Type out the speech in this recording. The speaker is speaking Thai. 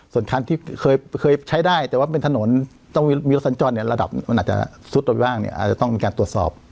ส่วนคันที่เคยใช้ได้แต่ว่าเป็นถนนต้องมีรถสัญจรเนี่ยระดับมันอาจจะซุดไปบ้างเนี่ยอาจจะต้องมีการตรวจสอบ